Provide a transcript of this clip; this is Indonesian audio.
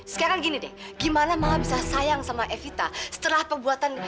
sekarang gini deh gimana malah bisa sayang sama evita setelah pembuatan